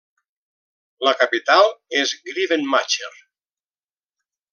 La capital és Grevenmacher.